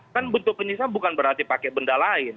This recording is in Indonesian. kan bentuk penyiksaan bukan berarti pakai benda lain